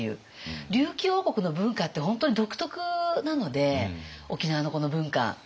琉球王国の文化って本当に独特なので沖縄のこの文化。